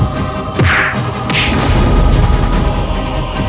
kau harus membayar semuanya